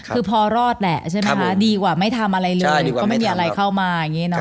คือพอรอดแหละใช่ไหมครับดีกว่าไม่ทำอะไรเลยก็ไม่มีอะไรเข้ามา